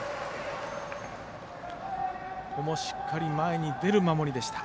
ここもしっかり前に出る守りでした。